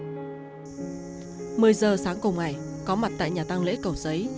một mươi giờ sáng cùng ngày có mặt tại nhà tăng lễ cầu giấy